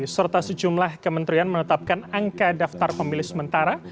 serta sejumlah kementerian menetapkan angka daftar pemilih sementara